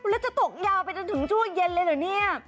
แล้วจะตกยาวไปจนถึงช่วงเย็นเลยเหรอเนี่ย